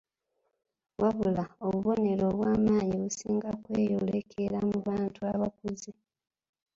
Wabula, obubonero obw'amaanyi businga kweyolekera mu bantu abakuze.